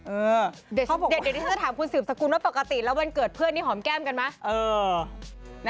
เอ้อเดี๋ยวเดี๋ยวเธอถามคุณสูบตรงสกุลว่าปกติให้วันเกิดเพื่อนหอมแก้มกันไหม